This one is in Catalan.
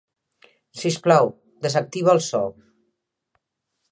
Sisplau, desactiva el so.